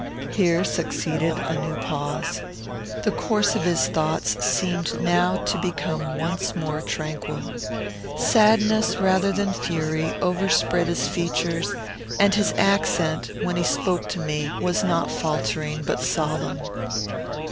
Here succeeded a new pause. The course of his thoughts seemed now to become once more tranquil. Sadness, rather than fury, overspread his features; and his accent, when he spoke to me, was not faltering, but solemn.